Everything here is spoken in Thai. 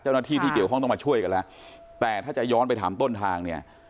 เจ้าหน้าที่ที่เกี่ยวข้องต้องมาช่วยกันแล้วแต่ถ้าจะย้อนไปถามต้นทางเนี่ย